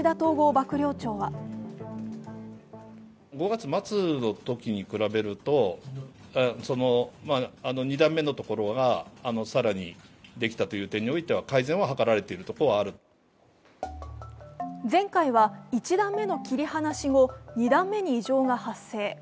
幕僚長は前回は、１段目の切り離し後２段目に異常が発生。